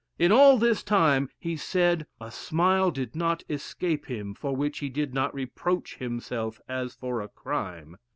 In all this time, he said, a smile did not escape him for which he did not reproach himself as for a crime.